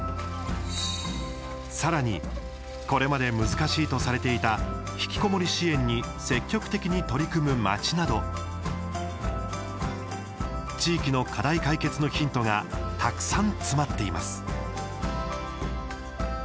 さらに、これまで難しいとされていたひきこもりの若者支援に積極的に取り組む町など地域の課題解決のヒントがたくさん詰まっています。